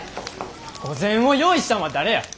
御膳を用意したんは誰や！